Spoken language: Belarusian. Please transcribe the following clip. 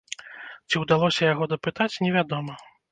Ці ўдалося яго дапытаць, невядома.